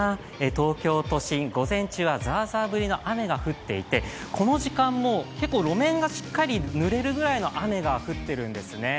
東京都心、午前中はザーザー降りの雨が降っていてこの時間も結構路面がしっかりぬれるぐらいの雨が降っているんですね。